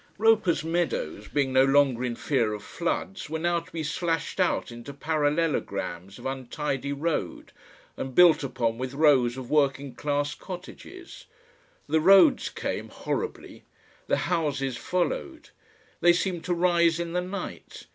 Roper's meadows, being no longer in fear of floods, were now to be slashed out into parallelograms of untidy road, and built upon with rows of working class cottages. The roads came, horribly; the houses followed. They seemed to rise in the night.